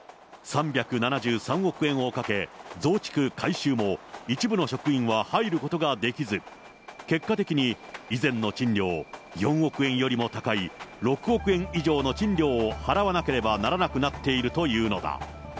３７３億円をかけ、増築・改修も、一部の職員は入ることができず、結果的に以前の賃料４億円よりも高い、６億円以上の賃料を払わなければならなくなっているというのだ。